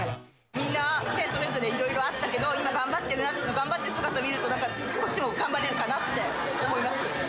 みんなそれぞれいろいろあったけど、今頑張ってるなって、その頑張っている姿を見ると、なんか、こっちも頑張れるかなって思います。